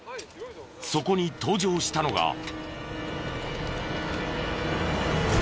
そこに登場したのが。